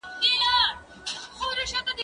ايا ته امادګي نيسې!.